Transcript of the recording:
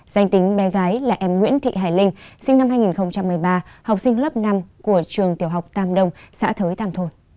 danh tính bé gái là em nguyễn thị hải linh sinh năm hai nghìn một mươi ba học sinh lớp năm của trường tiểu học tàm đông xã thới tàm thôn